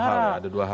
ada dua hal ya